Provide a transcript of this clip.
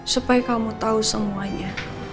supaya kamu tahu semuanya